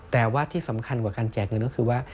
แต่ว่าที่สำคัญกว่าการแจกเงินก็คือว่า